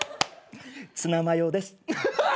ツナマヨです。